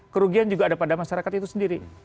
kerugian juga ada pada masyarakat itu sendiri